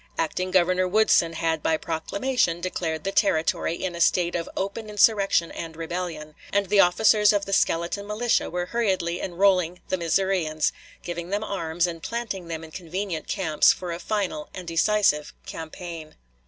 Acting Governor Woodson had by proclamation declared the Territory in a state of "open insurrection and rebellion," and the officers of the skeleton militia were hurriedly enrolling the Missourians, giving them arms, and planting them in convenient camps for a final and decisive campaign.